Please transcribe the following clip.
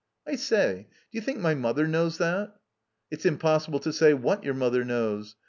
"I say — d'you think my mother knows that?" *'It's impossible to say what your mother knows.